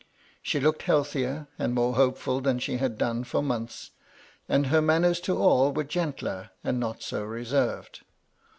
She looked healthier and more hopeful than she had done for months, and her manners to all were gentler and not so reserved.